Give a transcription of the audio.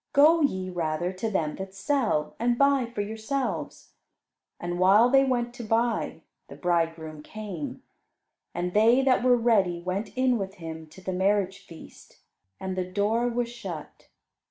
Go ye, rather, to them that sell, and buy for yourselves." And while they went to buy, the bridegroom came, and they that were ready went in with him to the marriage feast, and the door was shut.